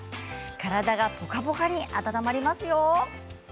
体がポカポカに温まりますよ。